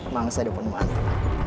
mangsa di depan mantel